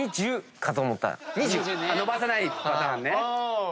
伸ばさないパターンね。